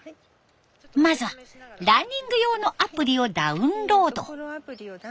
まずはランニング用のアプリをダウンロード。